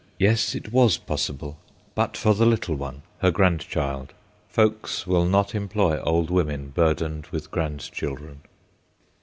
Yes, it was possible, but for the little one, her grandchild. Folks will not employ old women burdened with grandchildren.